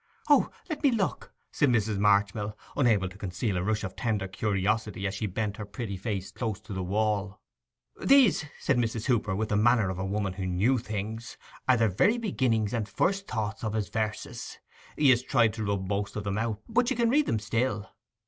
'O! let me look,' said Mrs. Marchmill, unable to conceal a rush of tender curiosity as she bent her pretty face close to the wall. 'These,' said Mrs. Hooper, with the manner of a woman who knew things, 'are the very beginnings and first thoughts of his verses. He has tried to rub most of them out, but you can read them still.